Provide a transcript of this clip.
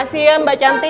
makasih ya mbak cantik